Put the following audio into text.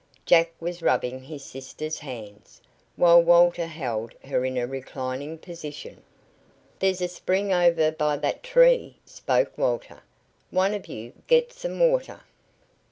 Jack was rubbing his sister's hands, while Walter held her in a reclining position. "There's a spring over by that tree," spoke Walter. "One of you get some water."